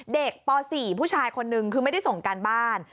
ป๔ผู้ชายคนนึงคือไม่ได้ส่งการบ้าน